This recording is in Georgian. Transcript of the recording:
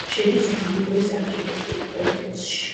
შედის ანგკორის არქიტექტურულ კომპლექსში.